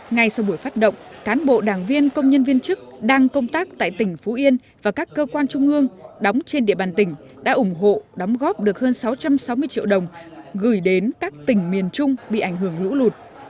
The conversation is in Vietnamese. ngay sau buổi phát động cán bộ đảng viên công nhân viên chức đang công tác tại tỉnh phú yên và các cơ quan trung ương đóng trên địa bàn tỉnh đã ủng hộ đóng góp được hơn sáu trăm sáu mươi triệu đồng gửi đến các tỉnh miền trung bị ảnh hưởng lũ lụt